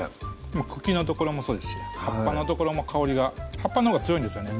茎の所もそうですし葉っぱの所も香りが葉っぱのほうが強いんですよね